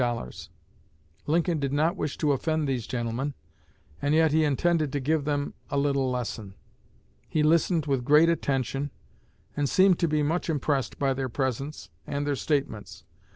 Lincoln did not wish to offend these gentlemen, and yet he intended to give them a little lesson. He listened with great attention, and seemed to be much impressed by their presence and their statements.